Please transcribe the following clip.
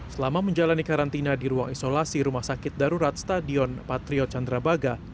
selama menjalani karantina di ruang isolasi rumah sakit darurat stadion patriot candrabaga